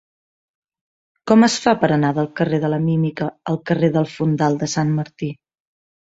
Com es fa per anar del carrer de la Mímica al carrer del Fondal de Sant Martí?